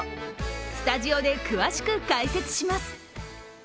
スタジオで詳しく解説します。